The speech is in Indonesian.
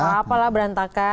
gak apa apa lah berantakan